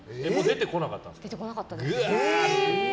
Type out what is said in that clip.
出てこなかったです。